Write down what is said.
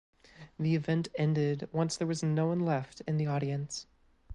The event ended once there was no one left in the audience.